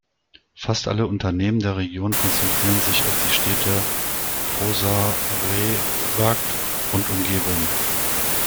Fast alle Unternehmen der Region konzentrieren sich auf die Städte Požarevac und Umgebung.